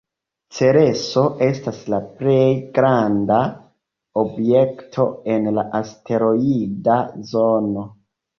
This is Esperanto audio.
Cereso estas la plej granda objekto en la asteroida zono.